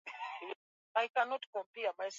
almaarufu sana hapa tanzania kama del piero